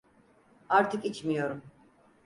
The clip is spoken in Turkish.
Artık içmiyorum.